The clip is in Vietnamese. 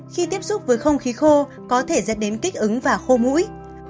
khi tiếp xúc với không khí khô có thể dẫn đến kích ứng và khô mũi